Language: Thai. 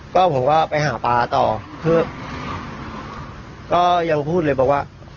ก็ผมก็ไปหาปลาต่อคือก็ยังพูดเลยบอกว่า